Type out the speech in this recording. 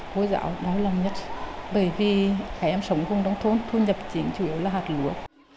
các em sống cùng đồng thôn thu nhập chính chủ yếu là hạt lúa